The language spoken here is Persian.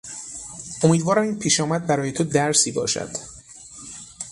امیدوارم این پیشامد برای تو درسی باشد.